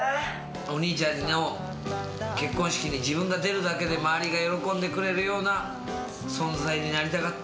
お兄ちゃんの結婚式に自分が出るだけで周りが喜んでくれるような存在になりたかった。